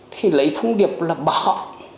thì lấy thông điệp là bỏ